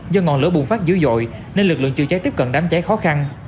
do ngọn lửa bùng phát dữ dội nên lực lượng chữa cháy tiếp cận đám cháy khó khăn